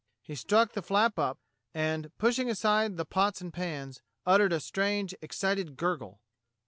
He struck the flap up and, pushing aside the pots and pans, uttered a strange, excited gurgle.